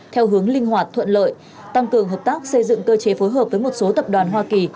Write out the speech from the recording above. theo hướng linh hoạt thuận lợi tăng cường hợp tác xây dựng cơ chế phối hợp với một số tập đoàn hoa kỳ